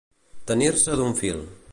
Tenir-se d'un fil.